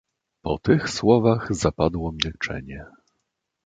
"Po tych słowach zapadło milczenie."